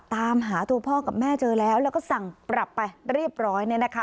ตามหาตัวพ่อกับแม่เจอแล้วแล้วก็สั่งปรับไปเรียบร้อยเนี่ยนะคะ